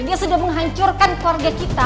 dia sudah menghancurkan keluarga kita